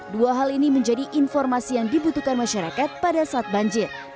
dua hal ini menjadi informasi yang dibutuhkan masyarakat pada saat banjir